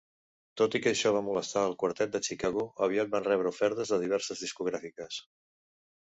Tot i que això va molestar el quartet de Chicago, aviat van rebre ofertes de diverses discogràfiques.